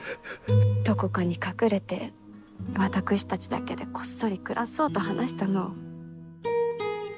どこかに隠れて私たちだけでこっそり暮らそうと話したのを。